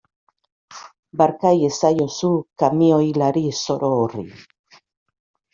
Barka iezaiozu kamioilari zoro horri.